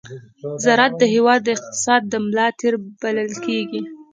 ز راعت د هېواد د اقتصاد د ملا تېر بلل کېږي.